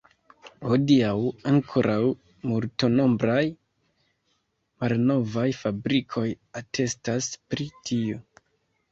Hodiaŭ ankoraŭ multnombraj malnovaj fabrikoj atestas pri tio.